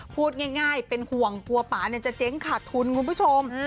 พูดง่ายเป็นห่วงกลัวป่าจะเจ๊งขาดทุนคุณผู้ชม